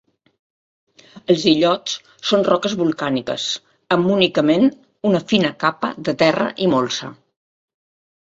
Els illots són roques volcàniques, amb únicament una fina capa de terra i molsa.